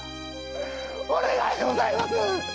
お願いでございます！